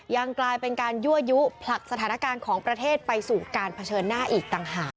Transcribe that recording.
ยังกลายเป็นการยั่วยุผลักสถานการณ์ของประเทศไปสู่การเผชิญหน้าอีกต่างหาก